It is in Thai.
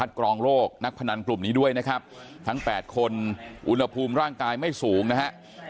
ดำเนินกลุ่มนี้ด้วยนะครับทั้ง๘คนอุณหภูมิร่างกายไม่สูงนะฮะ